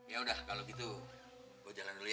yaudah kalau gitu gue jalan dulu ya